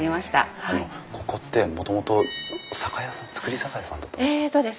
あのここってもともと酒屋さん造り酒屋さんだったんですか？